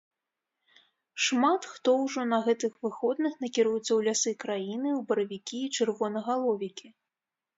Шмат хто ўжо на гэтых выходных накіруецца ў лясы краіны ў баравікі і чырвонагаловікі.